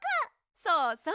そうそう！